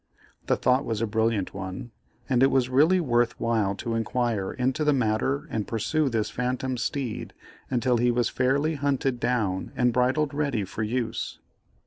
The thought was a brilliant one, and it was really worth while to inquire into the matter and pursue this phantom steed until he was fairly hunted down and bridled ready for use.